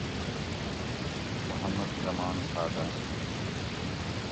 محمد زمان ساگر